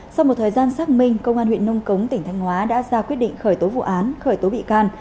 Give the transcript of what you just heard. sau một thời gian xác minh công an huyện nông cống tỉnh thanh hóa đã ra quyết định khởi tố vụ án khởi tố bị can